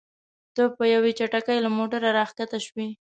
ته په یوې چټکۍ له موټره راښکته شوې.